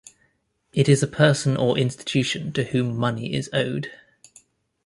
It is a person or institution to whom money is owed.